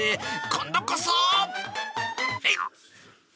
今度こそ。